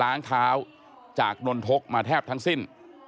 ล้างเท้าจากนนทกมาแทบทั้งสิ้น